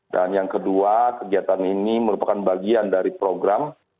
dan yang kedua kegiatan ini merupakan bagian dari program